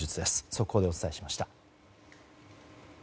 速報でお伝えしました。